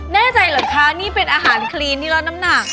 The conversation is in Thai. แน่ใจเหรอคะนี่เป็นอาหารคลีนที่ลดน้ำหนัก